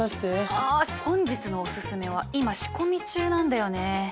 あ本日のオススメは今仕込み中なんだよね。